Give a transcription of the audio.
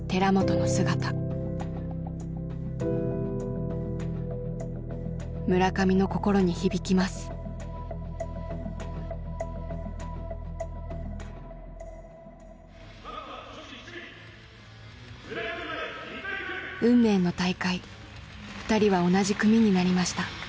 運命の大会２人は同じ組になりました。